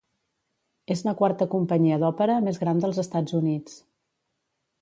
És la quarta companyia d'òpera més gran dels Estats Units.